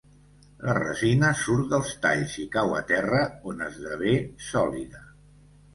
La resina surt dels talls i cau a terra, on esdevé sòlida.